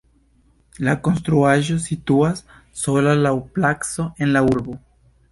La konstruaĵo situas sola laŭ placo en la urbo.